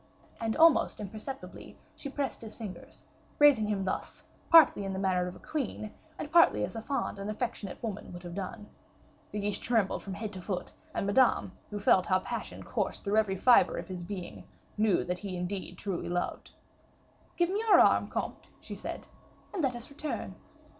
And almost imperceptibly she pressed his fingers, raising him thus, partly in the manner of a queen, and partly as a fond and affectionate woman would have done. De Guiche trembled from head to foot, and Madame, who felt how passion coursed through every fiber of his being, knew that he indeed loved truly. "Give me your arm, comte," she said, "and let us return."